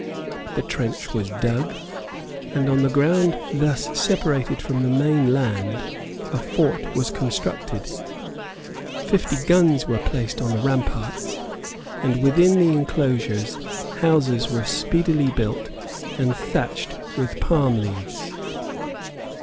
The trench was dug; and on the ground thus separated from the main land a fort was constructed; fifty guns were placed on the ramparts; and within the enclosures houses were speedily built and thatched with palm leaves.